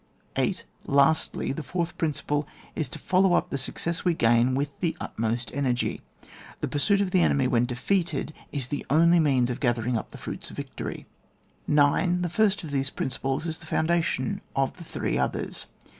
8. Lastly, the fourth principle is: to follow up the success we gain with the utmost energy. The pursuit of the enemy when de feated, is the only means of gathering up the fruits of victory. 9. The first of tibiese principles is the foundation of the three others.